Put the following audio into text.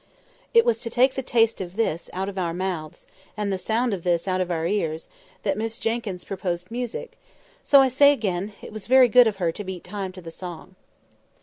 It was to take the taste of this out of our mouths, and the sound of this out of our ears, that Miss Jenkyns proposed music; so I say again, it was very good of her to beat time to the song.